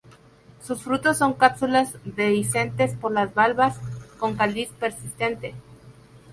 Sus frutos son cápsulas dehiscentes por las valvas, con cáliz persistente.